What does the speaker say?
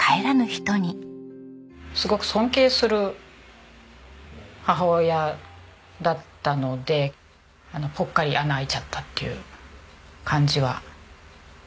すごく尊敬する母親だったのでポッカリ穴開いちゃったっていう感じはありましたね。